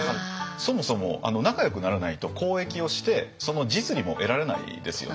そもそも仲よくならないと交易をしてその実利も得られないですよね。